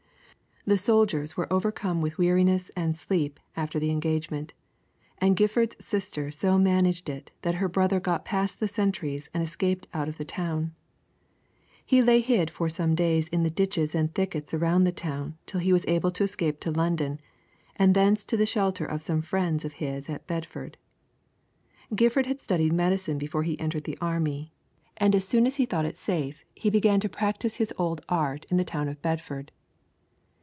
The soldiers were overcome with weariness and sleep after the engagement, and Gifford's sister so managed it that her brother got past the sentries and escaped out of the town. He lay hid for some days in the ditches and thickets around the town till he was able to escape to London, and thence to the shelter of some friends of his at Bedford. Gifford had studied medicine before he entered the army, and as soon as he thought it safe he began to practise his old art in the town of Bedford.